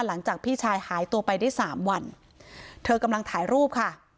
หลังจากพี่ชายหายตัวไปได้สามวันเธอกำลังถ่ายรูปค่ะ